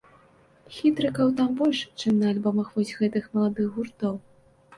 Хітрыкаў там больш, чым на альбомах вось гэтых маладых гуртоў.